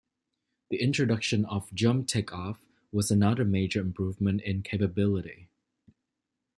The introduction of jump take-off was another major improvement in capability.